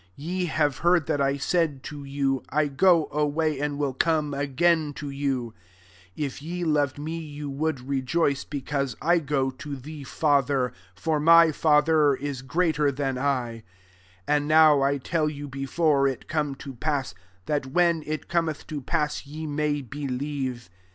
28 « Ye have heard that I said to you, * I go away, and will come again to you.' If ye loved me, ye would rejoice, because I go to the Father : for [myl Father is greater than I. 29 And now I tell you, before it come to pass, that, when it Cometh to pass, ye may believe.